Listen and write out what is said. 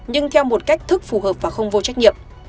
nhưng theo một cách thức phù hợp và không vô trách nhiệm